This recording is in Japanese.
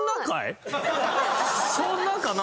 そんなかな？